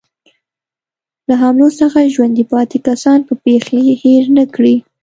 له حملو څخه ژوندي پاتې کسان به پېښې هېرې نه کړي.